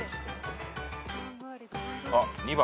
あっ２番。